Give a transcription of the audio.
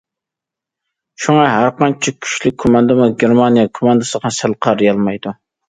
شۇڭا، ھەر قانچە كۈچلۈك كوماندىمۇ گېرمانىيە كوماندىسىغا سەل قارىيالمايدۇ.